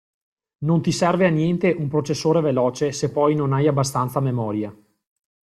Non ti serve a niente un processore veloce se poi non hai abbastanza memoria.